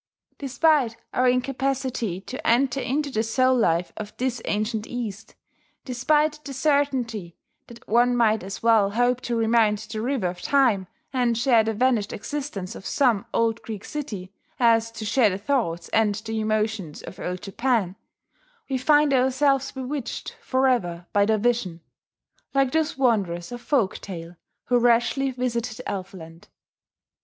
... Despite our incapacity to enter into the soul life of this ancient East, despite the certainty that one might as well hope to remount the River of Time and share the vanished existence of some old Greek city, as to share the thoughts and the emotions of Old Japan, we find ourselves bewitched forever by the vision, like those wanderers of folk tale who rashly visited Elf land.